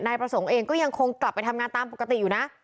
ประสงค์เองก็ยังคงกลับไปทำงานตามปกติอยู่นะ